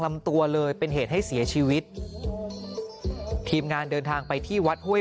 ลำตัวเลยเป็นเหตุให้เสียชีวิตทีมงานเดินทางไปที่วัดห้วย